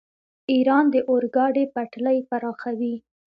ایران د اورګاډي پټلۍ پراخوي.